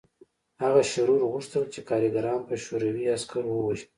هغه شرور غوښتل چې کارګران په شوروي عسکرو ووژني